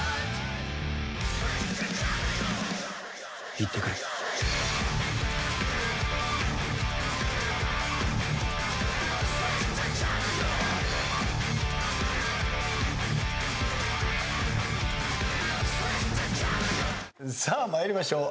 「いってくる」さあ参りましょう。